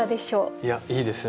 いやいいですよ